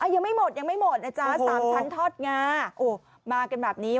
ยังไม่หมดยังไม่หมดนะจ๊ะสามชั้นทอดงาโอ้มากันแบบนี้